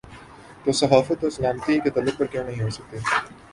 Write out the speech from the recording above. تو صحافت اور سلامتی کے تعلق پر کیوں نہیں ہو سکتی؟